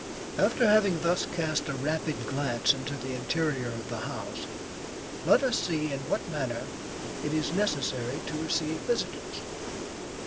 After having thus cast a rapid glance into the interior of the house, let us see in what manner it is necessary to receive visitors.